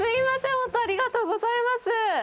本当ありがとうございます。